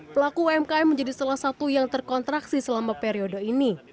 pelaku umkm menjadi salah satu yang terkontraksi selama periode ini